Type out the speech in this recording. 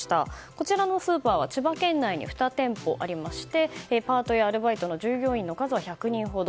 こちらのスーパーは千葉県内に２店舗ありましてパートやアルバイトの従業員の数は１００人ほど。